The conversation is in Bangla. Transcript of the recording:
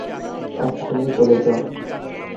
এক্ষুনি চলে যা!